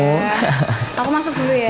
aku masuk dulu ya